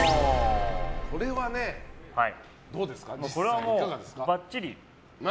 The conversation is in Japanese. これはどうですか、実際。